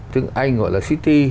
tương anh gọi là city